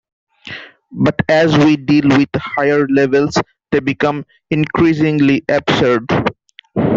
But as we deal with higher levels they become increasingly absurd.